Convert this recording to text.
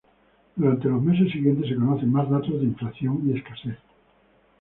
Durante los meses siguientes se conocen más datos de inflación y escasez.